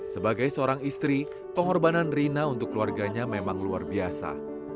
sebagai seorang istri pengorbanan rina untuk keluarganya memang luar biasa